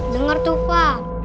dengar tuh pa